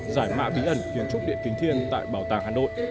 giải mã bí ẩn kiến trúc điện kính thiên tại bảo tàng hà nội